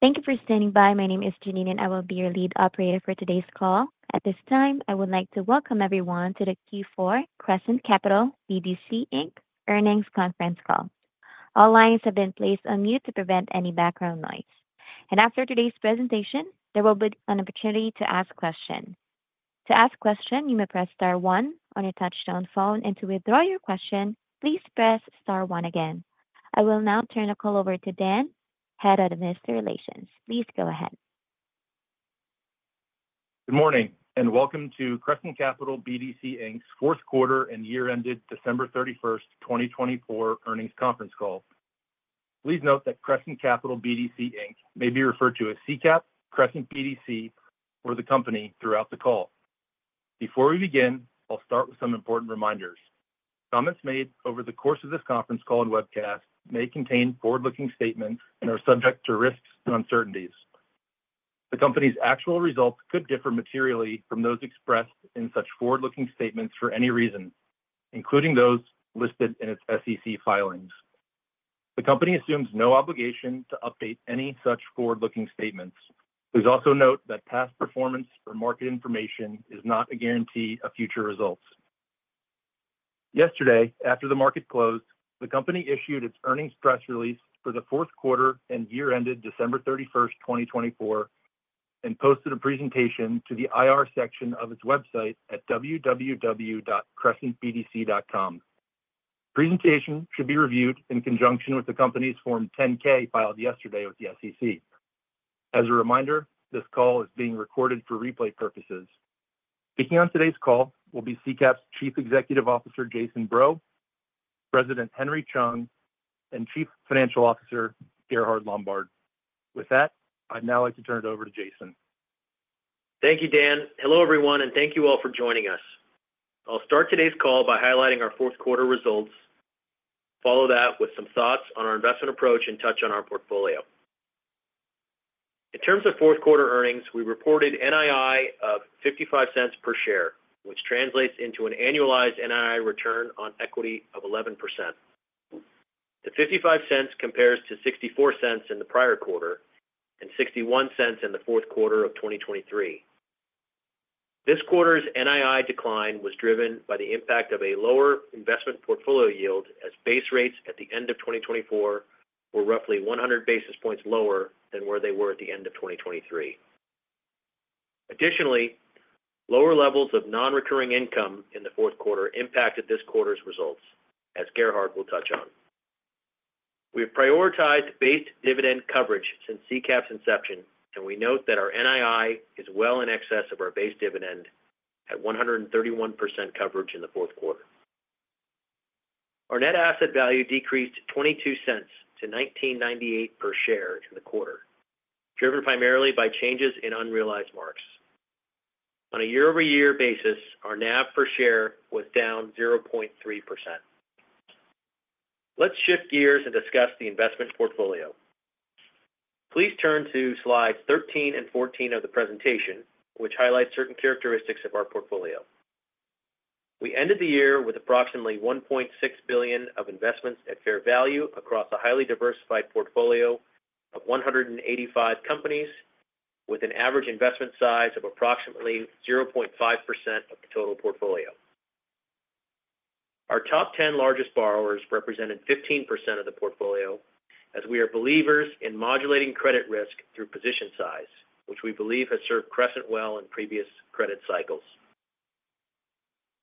Thank you for standing by. My name is Janine, and I will be your lead operator for today's call. At this time, I would like to welcome everyone to the Q4 Crescent Capital BDC, Inc earnings conference call. All lines have been placed on mute to prevent any background noise, and after today's presentation, there will be an opportunity to ask questions. To ask questions, you may press star one on your touch-tone phone, and to withdraw your question, please press star one again. I will now turn the call over to Dan, Head of Investor Relations. Please go ahead. Good morning and welcome to Crescent Capital BDC Inc fourth quarter and year-ended December 31st, 2024 earnings conference call. Please note that Crescent Capital BDC Inc may be referred to as CCAP, Crescent BDC, or the company throughout the call. Before we begin, I'll start with some important reminders. Comments made over the course of this conference call and webcast may contain forward-looking statements and are subject to risks and uncertainties. The company's actual results could differ materially from those expressed in such forward-looking statements for any reason, including those listed in its SEC filings. The company assumes no obligation to update any such forward-looking statements. Please also note that past performance or market information is not a guarantee of future results. Yesterday, after the market closed, the company issued its earnings press release for the fourth quarter and year-ended December 31st, 2024, and posted a presentation to the IR section of its website at www.crescentbdc.com. The presentation should be reviewed in conjunction with the company's Form 10-K filed yesterday with the SEC. As a reminder, this call is being recorded for replay purposes. Speaking on today's call will be CCAP's Chief Executive Officer, Jason Breaux, President Henry Chung, and Chief Financial Officer, Gerhard Lombard. With that, I'd now like to turn it over to Jason. Thank you, Dan. Hello, everyone, and thank you all for joining us. I'll start today's call by highlighting our fourth quarter results. Follow that with some thoughts on our investment approach and touch on our portfolio. In terms of fourth quarter earnings, we reported NII of $0.55 per share, which translates into an annualized NII return on equity of 11%. The $0.55 compares to $0.64 in the prior quarter and $0.61 in the fourth quarter of 2023. This quarter's NII decline was driven by the impact of a lower investment portfolio yield, as base rates at the end of 2024 were roughly 100 basis points lower than where they were at the end of 2023. Additionally, lower levels of non-recurring income in the fourth quarter impacted this quarter's results, as Gerhard will touch on. We have prioritized base dividend coverage since CCAP's inception, and we note that our NII is well in excess of our base dividend at 131% coverage in the fourth quarter. Our net asset value decreased $0.22 to $19.98 per share in the quarter, driven primarily by changes in unrealized marks. On a year-over-year basis, our NAV per share was down 0.3%. Let's shift gears and discuss the investment portfolio. Please turn to slides 13 and 14 of the presentation, which highlight certain characteristics of our portfolio. We ended the year with approximately $1.6 billion of investments at fair value across a highly diversified portfolio of 185 companies, with an average investment size of approximately 0.5% of the total portfolio. Our top 10 largest borrowers represented 15% of the portfolio, as we are believers in modulating credit risk through position size, which we believe has served Crescent well in previous credit cycles.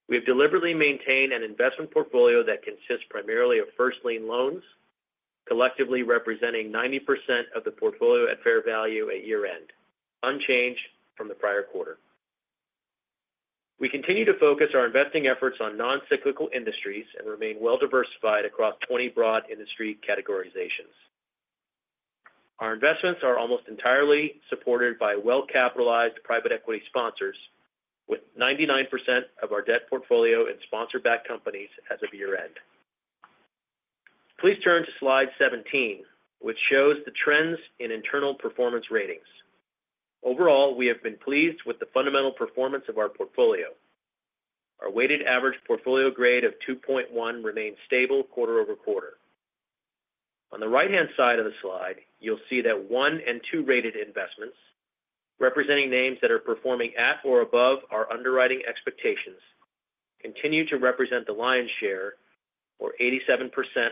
We have deliberately maintained an investment portfolio that consists primarily of first-lien loans, collectively representing 90% of the portfolio at fair value at year-end, unchanged from the prior quarter. We continue to focus our investing efforts on non-cyclical industries and remain well-diversified across 20 broad industry categorizations. Our investments are almost entirely supported by well-capitalized private equity sponsors, with 99% of our debt portfolio in sponsor-backed companies as of year-end. Please turn to slide 17, which shows the trends in internal performance ratings. Overall, we have been pleased with the fundamental performance of our portfolio. Our weighted average portfolio grade of 2.1 remains stable quarter over quarter. On the right-hand side of the slide, you'll see that one and two-rated investments, representing names that are performing at or above our underwriting expectations, continue to represent the lion's share, or 87%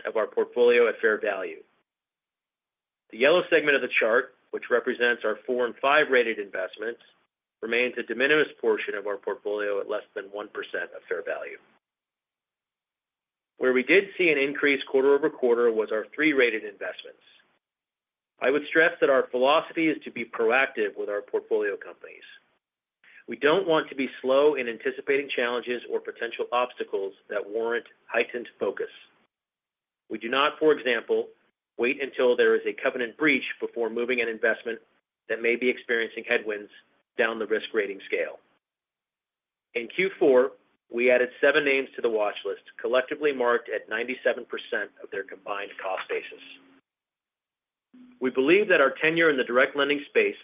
of our portfolio at fair value. The yellow segment of the chart, which represents our four and five-rated investments, remains a de minimis portion of our portfolio at less than 1% of fair value. Where we did see an increase quarter over quarter was our three-rated investments. I would stress that our philosophy is to be proactive with our portfolio companies. We don't want to be slow in anticipating challenges or potential obstacles that warrant heightened focus. We do not, for example, wait until there is a covenant breach before moving an investment that may be experiencing headwinds down the risk rating scale. In Q4, we added seven names to the watchlist, collectively marked at 97% of their combined cost basis. We believe that our tenure in the direct lending space,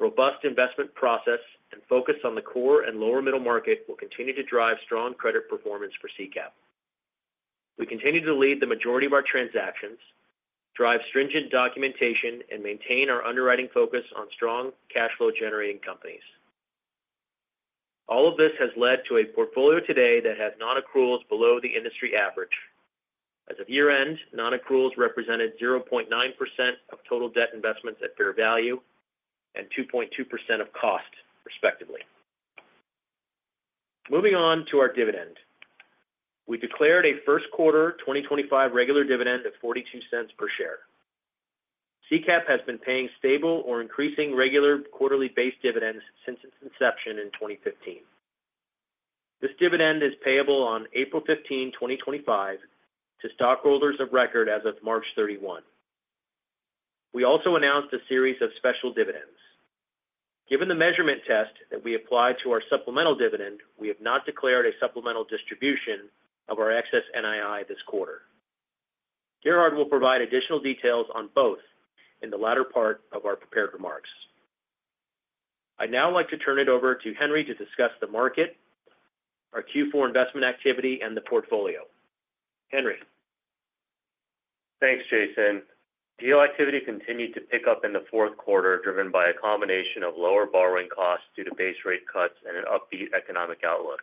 robust investment process, and focus on the core and lower-middle market will continue to drive strong credit performance for CCAP. We continue to lead the majority of our transactions, drive stringent documentation, and maintain our underwriting focus on strong cash flow-generating companies. All of this has led to a portfolio today that has non-accruals below the industry average. As of year-end, non-accruals represented 0.9% of total debt investments at fair value and 2.2% of cost, respectively. Moving on to our dividend, we declared a first quarter 2025 regular dividend of $0.42 per share. CCAP has been paying stable or increasing regular quarterly base dividends since its inception in 2015. This dividend is payable on April 15, 2025, to stockholders of record as of March 31. We also announced a series of special dividends. Given the measurement test that we applied to our supplemental dividend, we have not declared a supplemental distribution of our excess NII this quarter. Gerhard will provide additional details on both in the latter part of our prepared remarks. I'd now like to turn it over to Henry to discuss the market, our Q4 investment activity, and the portfolio. Henry. Thanks, Jason. Deal activity continued to pick up in the fourth quarter, driven by a combination of lower borrowing costs due to base rate cuts and an upbeat economic outlook.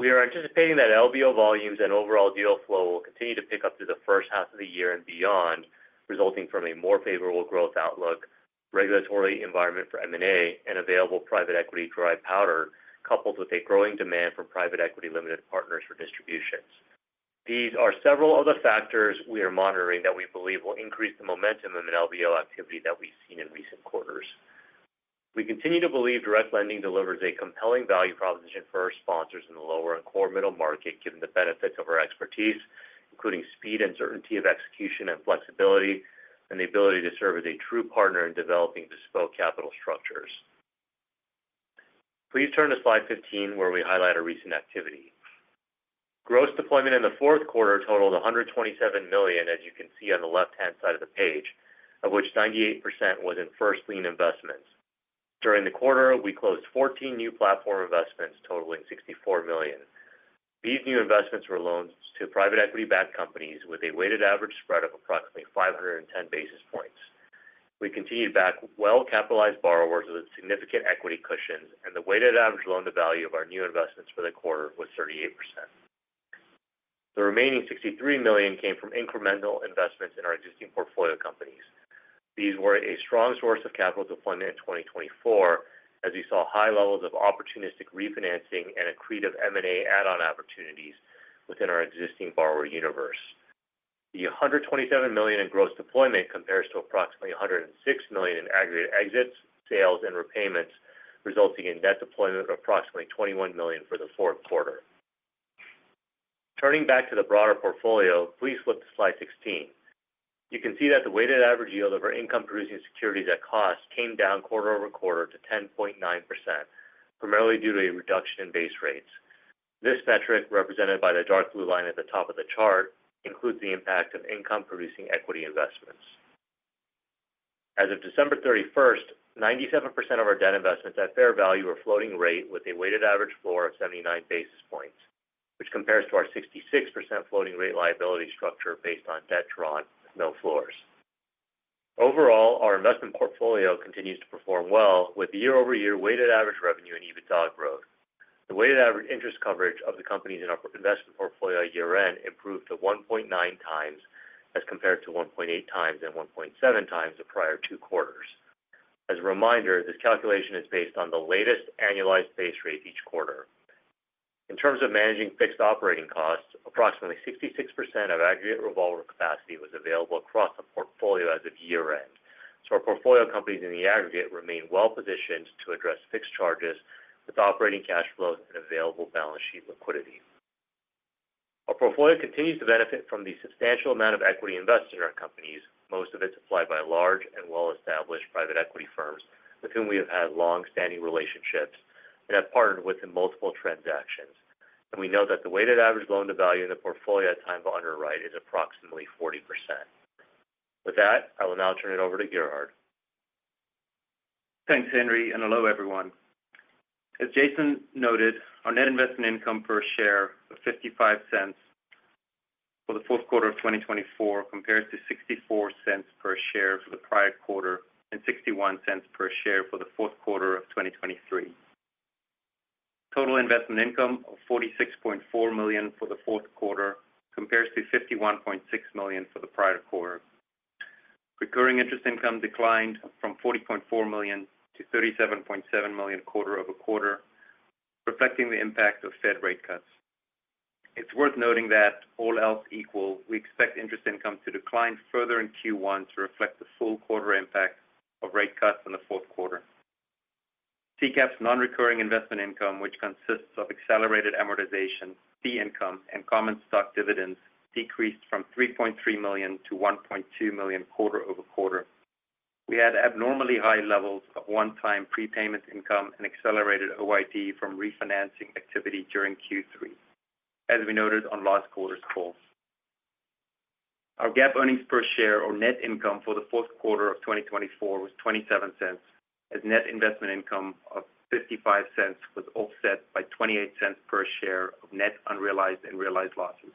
We are anticipating that LBO volumes and overall deal flow will continue to pick up through the first half of the year and beyond, resulting from a more favorable growth outlook, regulatory environment for M&A, and available private equity dry powder, coupled with a growing demand from private equity limited partners for distributions. There are several other factors we are monitoring that we believe will increase the momentum in LBO activity that we've seen in recent quarters. We continue to believe direct lending delivers a compelling value proposition for our sponsors in the lower and core-middle market, given the benefits of our expertise, including speed, certainty of execution, and flexibility, and the ability to serve as a true partner in developing bespoke capital structures. Please turn to slide 15, where we highlight our recent activity. Gross deployment in the fourth quarter totaled $127 million, as you can see on the left-hand side of the page, of which 98% was in first-lien investments. During the quarter, we closed 14 new platform investments, totaling $64 million. These new investments were loans to private equity-backed companies with a weighted average spread of approximately 510 basis points. We continued to back well-capitalized borrowers with significant equity cushions, and the weighted average loan-to-value of our new investments for the quarter was 38%. The remaining $63 million came from incremental investments in our existing portfolio companies. These were a strong source of capital deployment in 2024, as we saw high levels of opportunistic refinancing and accretive M&A add-on opportunities within our existing borrower universe. The $127 million in gross deployment compares to approximately $106 million in aggregate exits, sales, and repayments, resulting in net deployment of approximately $21 million for the fourth quarter. Turning back to the broader portfolio, please flip to slide 16. You can see that the weighted average yield of our income-producing securities at cost came down quarter over quarter to 10.9%, primarily due to a reduction in base rates. This metric, represented by the dark blue line at the top of the chart, includes the impact of income-producing equity investments. As of December 31st, 97% of our debt investments at fair value were floating rate with a weighted average floor of 79 basis points, which compares to our 66% floating rate liability structure based on debt drawn with no floors. Overall, our investment portfolio continues to perform well, with year-over-year weighted average revenue in EBITDA growth. The weighted average interest coverage of the companies in our investment portfolio year-end improved to 1.9x as compared to 1.8x and 1.7x the prior two quarters. As a reminder, this calculation is based on the latest annualized base rate each quarter. In terms of managing fixed operating costs, approximately 66% of aggregate revolver capacity was available across the portfolio as of year-end, so our portfolio companies in the aggregate remain well-positioned to address fixed charges with operating cash flows and available balance sheet liquidity. Our portfolio continues to benefit from the substantial amount of equity invested in our companies, most of it supplied by large and well-established private equity firms with whom we have had long-standing relationships and have partnered with in multiple transactions, and we note that the weighted average loan-to-value in the portfolio at time of underwrite is approximately 40%. With that, I will now turn it over to Gerhard. Thanks, Henry, and hello, everyone. As Jason noted, our net investment income per share of $0.55 for the fourth quarter of 2024 compares to $0.64 per share for the prior quarter and $0.61 per share for the fourth quarter of 2023. Total investment income of $46.4 million for the fourth quarter compares to $51.6 million for the prior quarter. Recurring interest income declined from $40.4 million to $37.7 million quarter over quarter, reflecting the impact of Fed rate cuts. It's worth noting that all else equal, we expect interest income to decline further in Q1 to reflect the full quarter impact of rate cuts in the fourth quarter. CCAP's non-recurring investment income, which consists of accelerated amortization, fee income, and common stock dividends, decreased from $3.3 million to $1.2 million quarter over quarter. We had abnormally high levels of one-time prepayment income and accelerated OID from refinancing activity during Q3, as we noted on last quarter's call. Our GAAP earnings per share, or net income for the fourth quarter of 2024, was $0.27, as net investment income of $0.55 was offset by $0.28 per share of net unrealized and realized losses.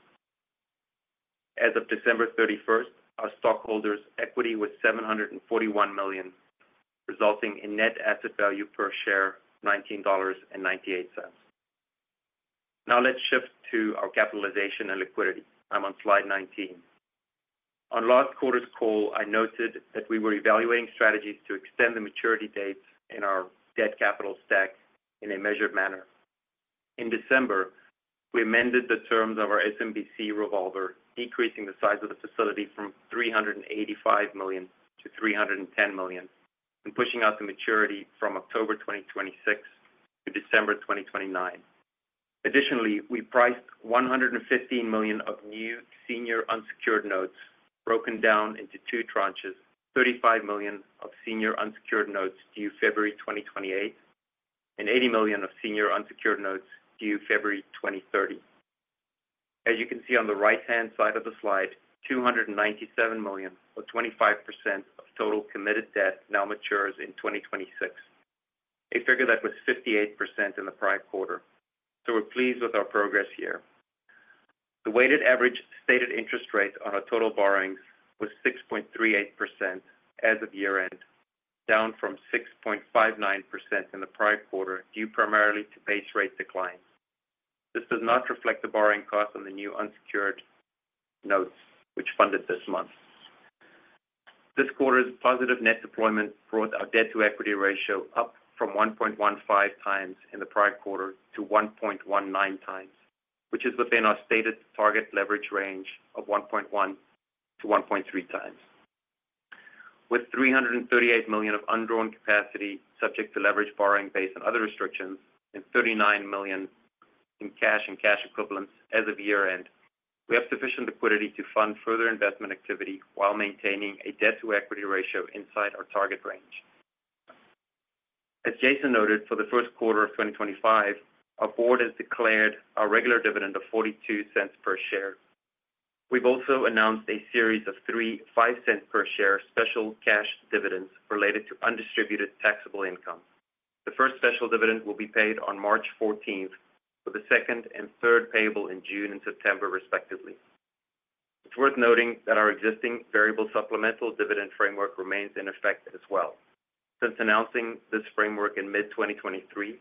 As of December 31st, our stockholders' equity was $741 million, resulting in net asset value per share of $19.98. Now let's shift to our capitalization and liquidity. I'm on slide 19. On last quarter's call, I noted that we were evaluating strategies to extend the maturity dates in our debt capital stack in a measured manner. In December, we amended the terms of our SMBC revolver, decreasing the size of the facility from $385 million to $310 million and pushing out the maturity from October 2026 to December 2029. Additionally, we priced $115 million of new senior unsecured notes, broken down into two tranches: $35 million of senior unsecured notes due February 2028 and $80 million of senior unsecured notes due February 2030. As you can see on the right-hand side of the slide, $297 million, or 25% of total committed debt, now matures in 2026, a figure that was 58% in the prior quarter. So we're pleased with our progress here. The weighted average stated interest rate on our total borrowings was 6.38% as of year-end, down from 6.59% in the prior quarter, due primarily to base rate decline. This does not reflect the borrowing costs on the new unsecured notes, which funded this month. This quarter's positive net deployment brought our debt-to-equity ratio up from 1.15x in the prior quarter to 1.19x, which is within our stated target leverage range of 1.1-1.3x. With $338 million of undrawn capacity subject to leverage borrowing based on other restrictions and $39 million in cash and cash equivalents as of year-end, we have sufficient liquidity to fund further investment activity while maintaining a debt-to-equity ratio inside our target range. As Jason noted, for the first quarter of 2025, our board has declared our regular dividend of $0.42 per share. We've also announced a series of three $0.05 per share special cash dividends related to undistributed taxable income. The first special dividend will be paid on March 14, with the second and third payable in June and September, respectively. It's worth noting that our existing variable supplemental dividend framework remains in effect as well. Since announcing this framework in mid-2023,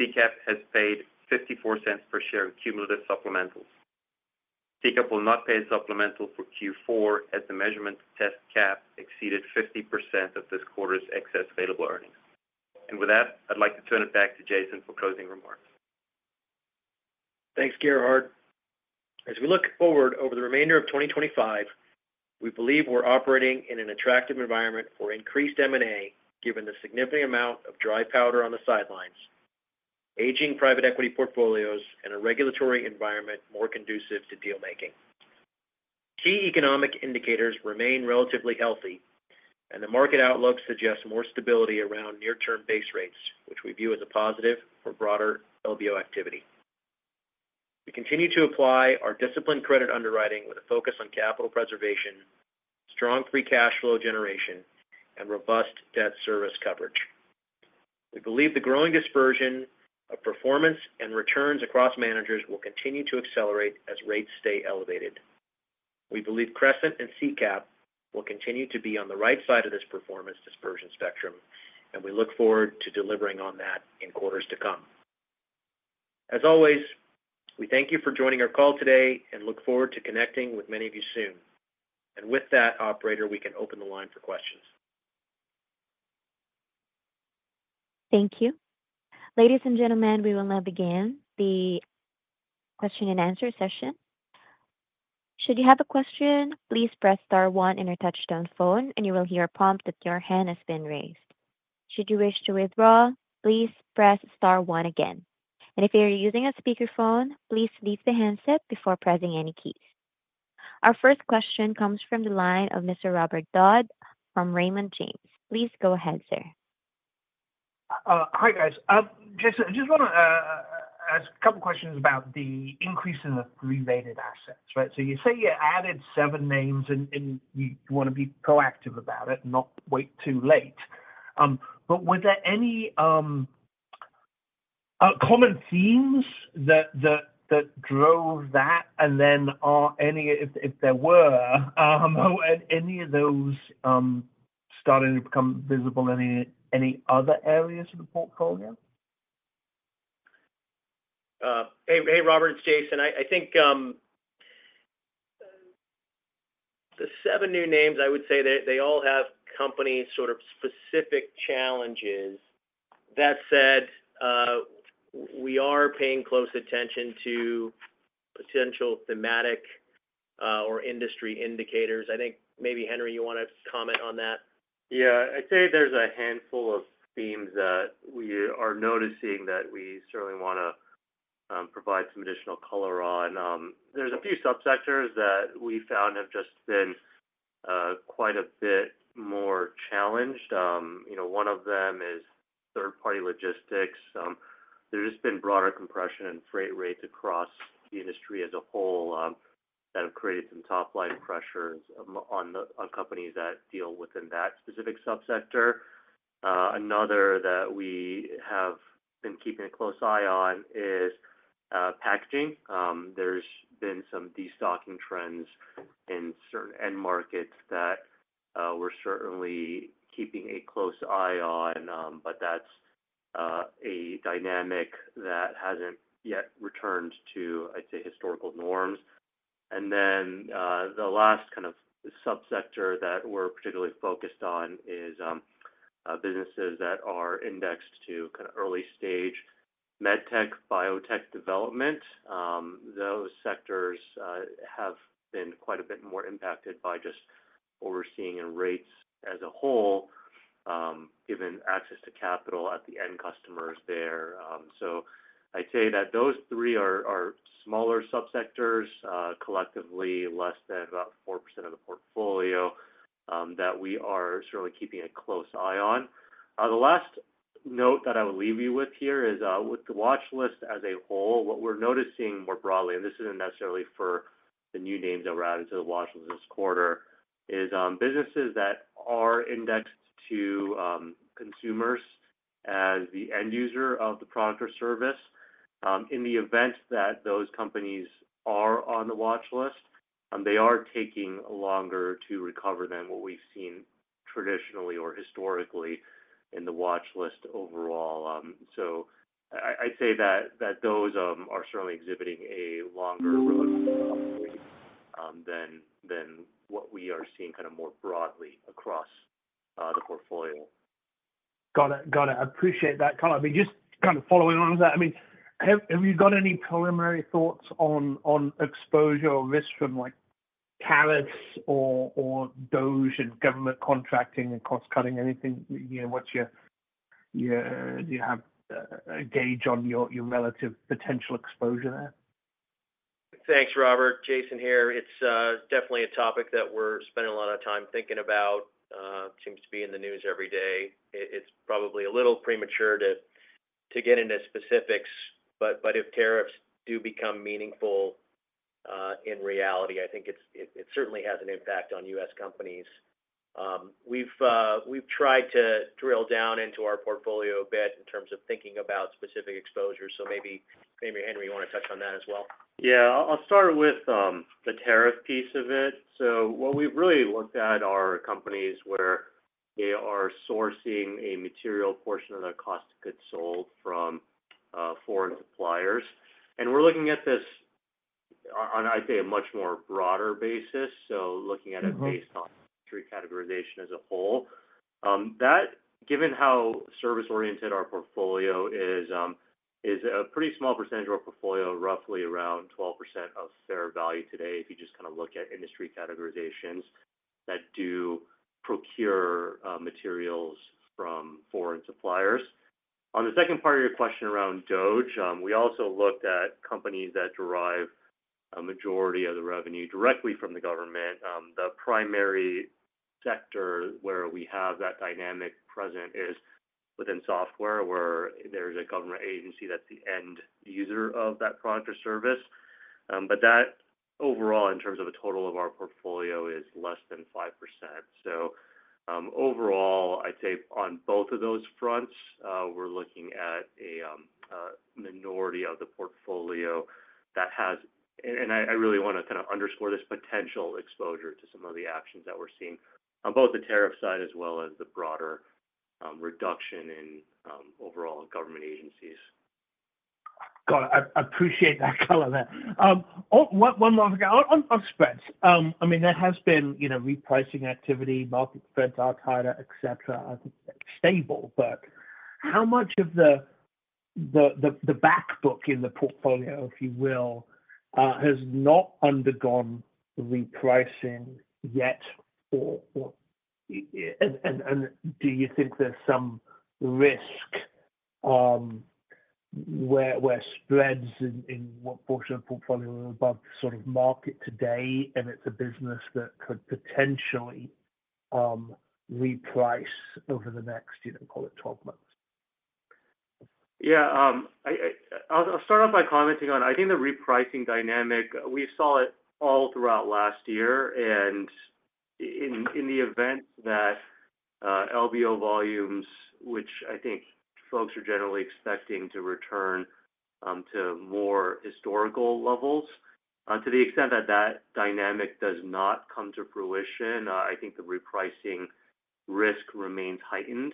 CCAP has paid $0.54 per share in cumulative supplementals. CCAP will not pay a supplemental for Q4 as the measurement test cap exceeded 50% of this quarter's excess available earnings. With that, I'd like to turn it back to Jason for closing remarks. Thanks, Gerhard. As we look forward over the remainder of 2025, we believe we're operating in an attractive environment for increased M&A, given the significant amount of dry powder on the sidelines, aging private equity portfolios, and a regulatory environment more conducive to deal-making. Key economic indicators remain relatively healthy, and the market outlook suggests more stability around near-term base rates, which we view as a positive for broader LBO activity. We continue to apply our disciplined credit underwriting with a focus on capital preservation, strong free cash flow generation, and robust debt service coverage. We believe the growing dispersion of performance and returns across managers will continue to accelerate as rates stay elevated. We believe Crescent and CCAP will continue to be on the right side of this performance dispersion spectrum, and we look forward to delivering on that in quarters to come. As always, we thank you for joining our call today and look forward to connecting with many of you soon, and with that, Operator, we can open the line for questions. Thank you. Ladies and gentlemen, we will now begin the question-and-answer session. Should you have a question, please press star one on your touch-tone phone, and you will hear a prompt that your hand has been raised. Should you wish to withdraw, please press star one again, and if you're using a speakerphone, please leave the handset before pressing any keys. Our first question comes from the line of Mr. Robert Dodd from Raymond James. Please go ahead, sir. Hi, guys. Jason, I just want to ask a couple of questions about the increase in the three-rated assets, right? So you say you added seven names, and you want to be proactive about it, not wait too late. But were there any common themes that drove that? And then if there were, were any of those starting to become visible in any other areas of the portfolio? Hey, Robert. It's Jason. I think the seven new names, I would say they all have company sort of specific challenges. That said, we are paying close attention to potential thematic or industry indicators. I think maybe, Henry, you want to comment on that? Yeah. I'd say there's a handful of themes that we are noticing that we certainly want to provide some additional color on. There's a few subsectors that we found have just been quite a bit more challenged. One of them is third-party logistics. There's just been broader compression in freight rates across the industry as a whole that have created some top-line pressures on companies that deal within that specific subsector. Another that we have been keeping a close eye on is packaging. There's been some destocking trends in certain end markets that we're certainly keeping a close eye on, but that's a dynamic that hasn't yet returned to, I'd say, historical norms. And then the last kind of subsector that we're particularly focused on is businesses that are indexed to kind of early-stage medtech, biotech development. Those sectors have been quite a bit more impacted by just rising rates as a whole, given access to capital at the end customers there. So I'd say that those three are smaller subsectors, collectively less than about 4% of the portfolio that we are certainly keeping a close eye on. The last note that I will leave you with here is with the watchlist as a whole, what we're noticing more broadly, and this isn't necessarily for the new names that were added to the watchlist this quarter, is businesses that are indexed to consumers as the end user of the product or service. In the event that those companies are on the watchlist, they are taking longer to recover than what we've seen traditionally or historically in the watchlist overall. So I'd say that those are certainly exhibiting a longer road than what we are seeing kind of more broadly across the portfolio. Got it. Got it. I appreciate that colour, I mean, just kind of following on with that, I mean, have you got any preliminary thoughts on exposure or risk from tariffs or DOGE and government contracting and cost-cutting? Anything? Do you have a gauge on your relative potential exposure there? Thanks, Robert. Jason here. It's definitely a topic that we're spending a lot of time thinking about. It seems to be in the news every day. It's probably a little premature to get into specifics, but if tariffs do become meaningful in reality, I think it certainly has an impact on U.S. companies. We've tried to drill down into our portfolio a bit in terms of thinking about specific exposures. So maybe, Henry, you want to touch on that as well? Yeah. I'll start with the tariff piece of it. So what we've really looked at are companies where they are sourcing a material portion of their cost of goods sold from foreign suppliers. And we're looking at this on, I'd say, a much more broader basis, so looking at it based on industry categorization as a whole. That, given how service-oriented our portfolio is, is a pretty small percentage of our portfolio, roughly around 12% of fair value today, if you just kind of look at industry categorizations that do procure materials from foreign suppliers. On the second part of your question around DOGE, we also looked at companies that derive a majority of the revenue directly from the government. The primary sector where we have that dynamic present is within software, where there's a government agency that's the end user of that product or service. But that, overall, in terms of a total of our portfolio, is less than 5%. So overall, I'd say on both of those fronts, we're looking at a minority of the portfolio that has, and I really want to kind of underscore this, potential exposure to some of the actions that we're seeing on both the tariff side as well as the broader reduction in overall government agencies. Got it. I appreciate that, colour, there. One more thing. On spreads, I mean, there has been repricing activity, market spreads are tighter, etc. I think they're stable. But how much of the backbook in the portfolio, if you will, has not undergone repricing yet? And do you think there's some risk where spreads in what portion of the portfolio are above sort of market today, and it's a business that could potentially reprice over the next, you know, call it, 12 months? Yeah. I'll start off by commenting on, I think, the repricing dynamic. We saw it all throughout last year. And in the event that LBO volumes, which I think folks are generally expecting to return to more historical levels, to the extent that that dynamic does not come to fruition, I think the repricing risk remains heightened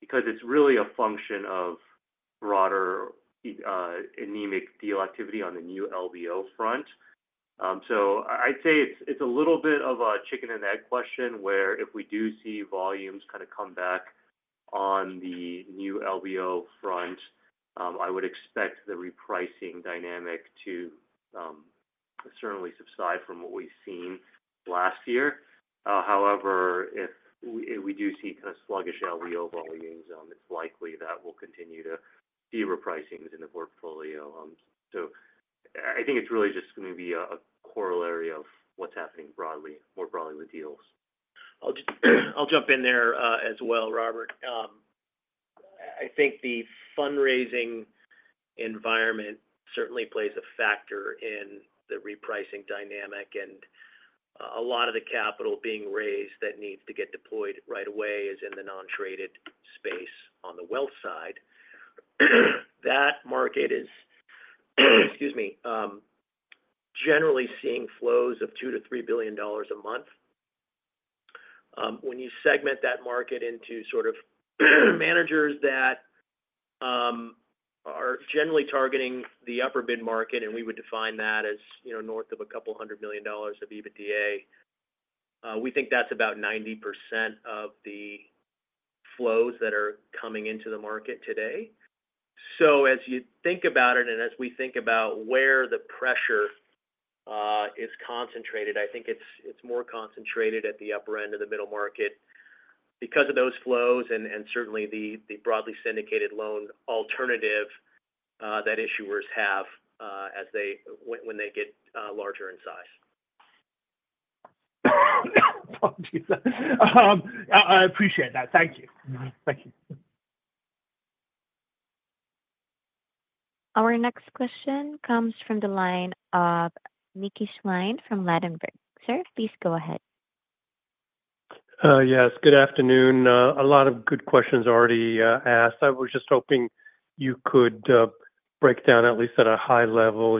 because it's really a function of broader anemic deal activity on the new LBO front. So I'd say it's a little bit of a chicken-and-egg question where, if we do see volumes kind of come back on the new LBO front, I would expect the repricing dynamic to certainly subside from what we've seen last year. However, if we do see kind of sluggish LBO volumes, it's likely that we'll continue to see repricings in the portfolio. So I think it's really just going to be a corollary of what's happening more broadly with deals. I'll jump in there as well, Robert. I think the fundraising environment certainly plays a factor in the repricing dynamic. And a lot of the capital being raised that needs to get deployed right away is in the non-traded space on the wealth side. That market is, excuse me, generally seeing flows of $2 billion-$3 billion a month. When you segment that market into sort of managers that are generally targeting the upper-mid market, and we would define that as north of a couple hundred million dollars of EBITDA, we think that's about 90% of the flows that are coming into the market today. So as you think about it and as we think about where the pressure is concentrated, I think it's more concentrated at the upper end of the middle market because of those flows and certainly the broadly syndicated loan alternative that issuers have when they get larger in size. Apologies. I appreciate that. Thank you. Thank you. Our next question comes from the line of Mickey Schleien from Ladenburg. Sir, please go ahead. Yes. Good afternoon. A lot of good questions already asked. I was just hoping you could break down, at least at a high level,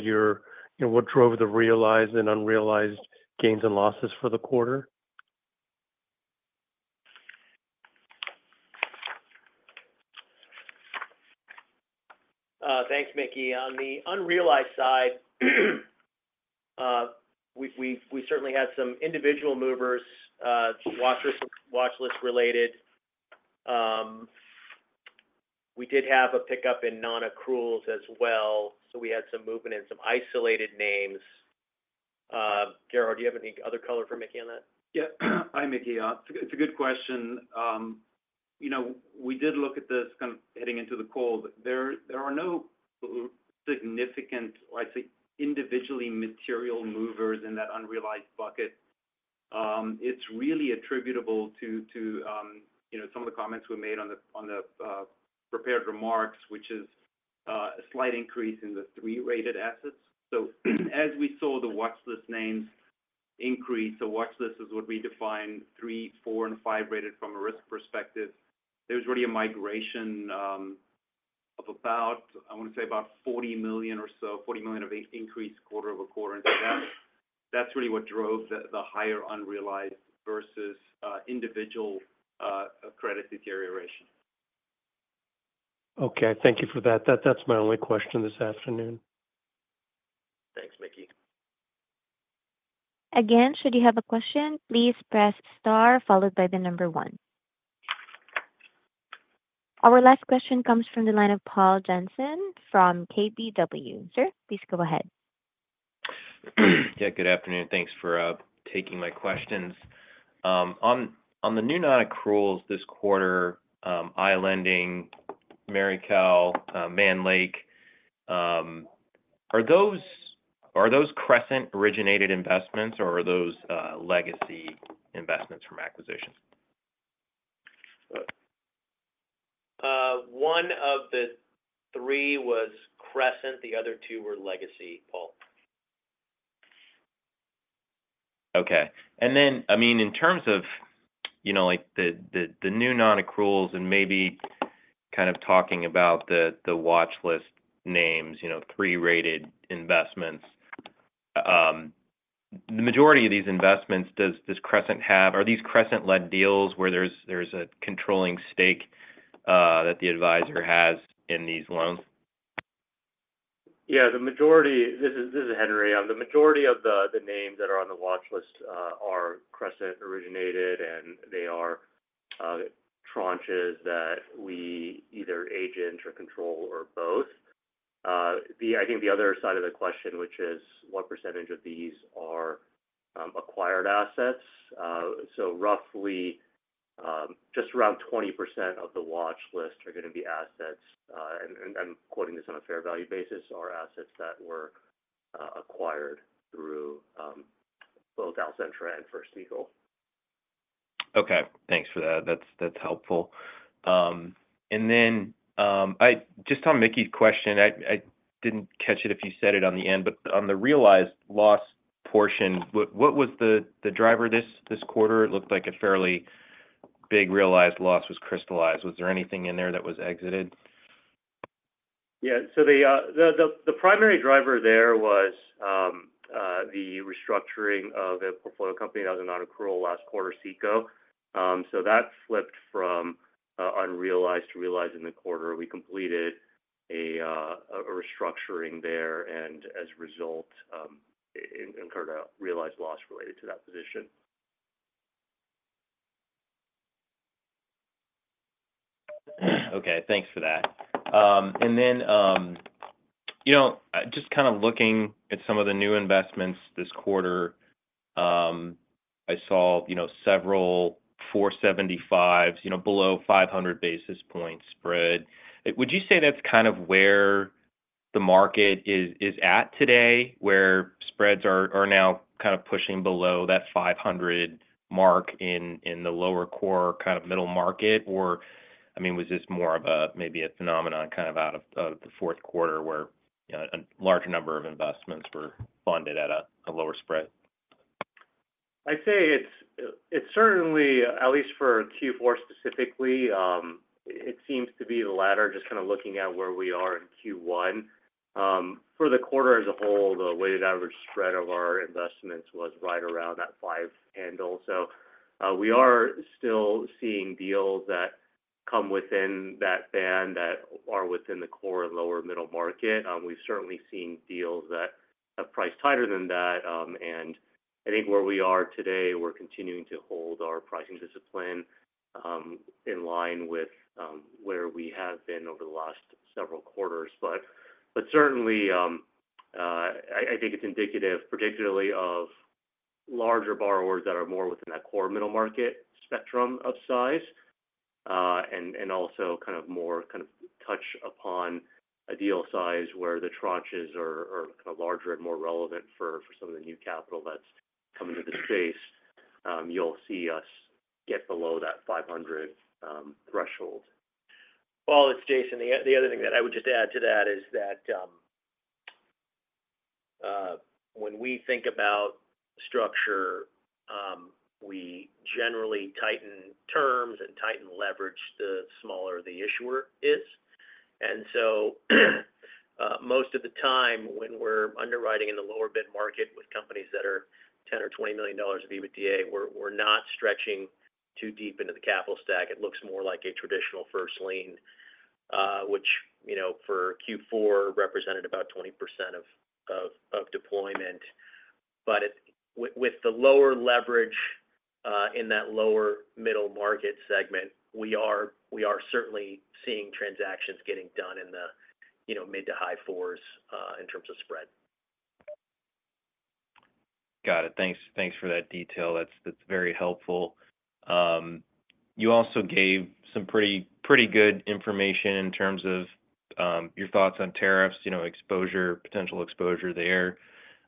what drove the realized and unrealized gains and losses for the quarter. Thanks, Mickey. On the unrealized side, we certainly had some individual movers, watchlist-related. We did have a pickup in non-accruals as well. So we had some movement in some isolated names. Gerhard, do you have any other color for Mickey on that? Yeah. Hi, Mickey. It's a good question. We did look at this kind of heading into the close. There are no significant, I'd say, individually material movers in that unrealized bucket. It's really attributable to some of the comments we made on the prepared remarks, which is a slight increase in the three-rated assets. So as we saw the watchlist names increase, so watchlist is what we define three, four, and five-rated from a risk perspective, there was really a migration of about, I want to say, about $40 million or so, $40 million of an increase quarter over quarter. And so that's really what drove the higher unrealized versus individual credit deterioration. Okay. Thank you for that. That's my only question this afternoon. Thanks, Mickey. Again, should you have a question, please press star followed by the number one. Our last question comes from the line of Paul Johnson from KBW. Sir, please go ahead. Yeah. Good afternoon. Thanks for taking my questions. On the new non-accruals this quarter, iLending, MeriCal, Mann Lake, are those Crescent-originated investments, or are those legacy investments from acquisitions? One of the three was Crescent. The other two were legacy, Paul. Okay, and then, I mean, in terms of the new non-accruals and maybe kind of talking about the watchlist names, three-rated investments, the majority of these investments, does this Crescent have, are these Crescent-led deals where there's a controlling stake that the advisor has in these loans? Yeah. This is Henry. The majority of the names that are on the watchlist are Crescent-originated, and they are tranches that we either agent or control or both. I think the other side of the question, which is what percentage of these are acquired assets? So roughly just around 20% of the watchlist are going to be assets. And I'm quoting this on a fair value basis, are assets that were acquired through both Alcentra and First Eagle. Okay. Thanks for that. That's helpful. And then just on Mickey's question, I didn't catch it if you said it on the end, but on the realized loss portion, what was the driver this quarter? It looked like a fairly big realized loss was crystallized. Was there anything in there that was exited? Yeah. So the primary driver there was the restructuring of a portfolio company that was a non-accrual last quarter, SEKO. So that flipped from unrealized to realized in the quarter. We completed a restructuring there, and as a result, incurred a realized loss related to that position. Okay. Thanks for that. And then just kind of looking at some of the new investments this quarter, I saw several 475s, below 500 basis points spread. Would you say that's kind of where the market is at today, where spreads are now kind of pushing below that 500 mark in the lower core kind of middle market? Or, I mean, was this more of maybe a phenomenon kind of out of the fourth quarter where a larger number of investments were funded at a lower spread? I'd say it's certainly, at least for Q4 specifically, it seems to be the latter, just kind of looking at where we are in Q1. For the quarter as a whole, the weighted average spread of our investments was right around that five handle. So we are still seeing deals that come within that band that are within the core and lower middle market. We've certainly seen deals that have priced tighter than that. And I think where we are today, we're continuing to hold our pricing discipline in line with where we have been over the last several quarters. Certainly, I think it's indicative, particularly of larger borrowers that are more within that core middle market spectrum of size and also kind of more touched upon a deal size where the tranches are kind of larger and more relevant for some of the new capital that's coming to the space. You'll see us get below that 500 threshold. Well, it's Jason. The other thing that I would just add to that is that when we think about structure, we generally tighten terms and tighten leverage the smaller the issuer is. And so most of the time when we're underwriting in the lower middle market with companies that are $10 million-$20 million of EBITDA, we're not stretching too deep into the capital stack. It looks more like a traditional first lien, which for Q4 represented about 20% of deployment. But with the lower leverage in that lower middle market segment, we are certainly seeing transactions getting done in the mid to high fours in terms of spread. Got it. Thanks for that detail. That's very helpful. You also gave some pretty good information in terms of your thoughts on tariffs, potential exposure there.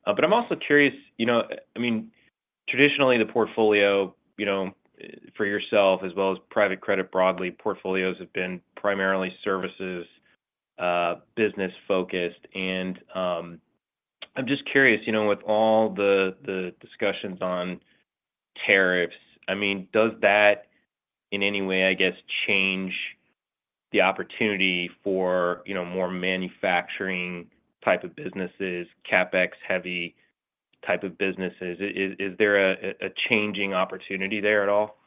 But I'm also curious, I mean, traditionally, the portfolio for yourself as well as private credit broadly, portfolios have been primarily services, business-focused. And I'm just curious, with all the discussions on tariffs, I mean, does that in any way, I guess, change the opportunity for more manufacturing type of businesses, CapEx-heavy type of businesses? Is there a changing opportunity there at all?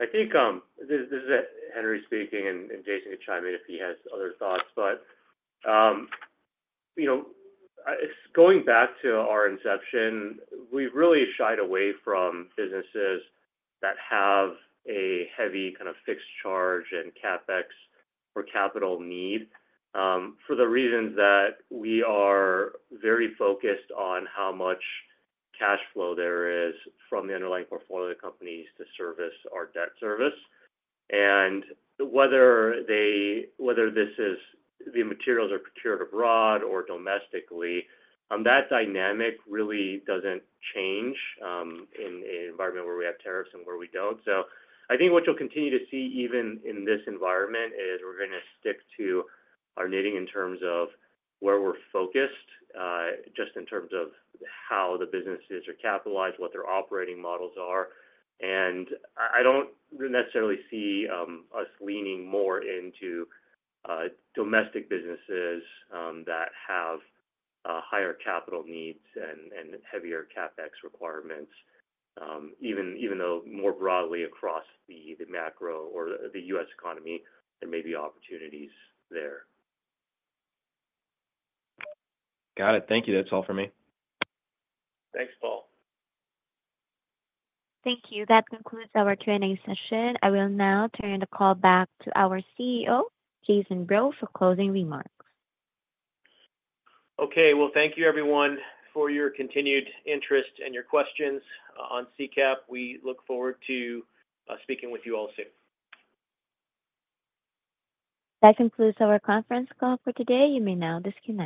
I think this is Henry speaking, and Jason could chime in if he has other thoughts, but going back to our inception, we've really shied away from businesses that have a heavy kind of fixed charge and CapEx or capital need for the reasons that we are very focused on how much cash flow there is from the underlying portfolio of the companies to service our debt service, and whether these materials are procured abroad or domestically, that dynamic really doesn't change in an environment where we have tariffs and where we don't, so I think what you'll continue to see even in this environment is we're going to stick to our knitting in terms of where we're focused, just in terms of how the businesses are capitalized, what their operating models are. And I don't necessarily see us leaning more into domestic businesses that have higher capital needs and heavier CapEx requirements, even though more broadly across the macro or the U.S. economy, there may be opportunities there. Got it. Thank you. That's all for me. Thanks, Paul. Thank you. That concludes our training session. I will now turn the call back to our CEO, Jason Breaux, for closing remarks. Okay. Thank you, everyone, for your continued interest and your questions on CCAP. We look forward to speaking with you all soon. That concludes our conference call for today. You may now disconnect.